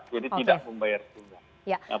jadi tidak membayar pembayaran